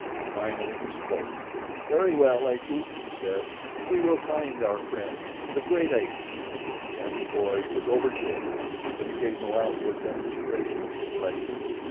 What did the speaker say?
Finally he spoke: "Very well, Akut," he said, "we will find our friends, the great apes." The anthropoid was overjoyed; but he gave no outward demonstration of his pleasure.